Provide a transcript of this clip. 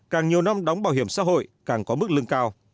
càng nhiều năm đóng bảo hiểm xã hội càng có mức lương cao